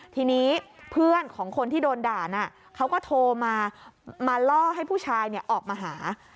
ทีนี้เพื่อนของคนที่โดนด่าน่ะเขาก็โทรมาล่อให้ผู้ชายออกมาหา